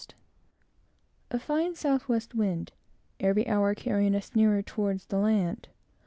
A fine south west wind; every hour carrying us nearer in toward land.